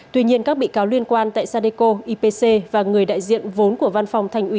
tuy nhiên các bị cáo liên quan tại sadeco ipc và người đại diện vốn của văn phòng thành ủy